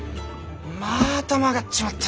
まぁた曲がっちまった。